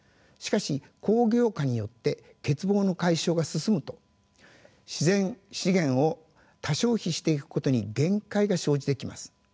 しかし工業化によって欠乏の解消が進むと自然資源を多消費していくことに限界が生じてきます。